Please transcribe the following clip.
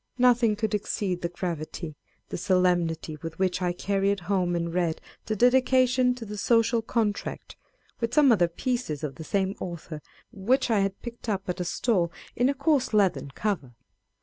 Nothing could exceed the gravity, the solemnity with which I carried home and read the Dedication to the Social Contract, with some other pieces of the same author, which I had picked up at a stall in a coarse leathern cover.